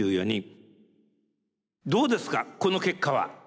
どうですかこの結果は？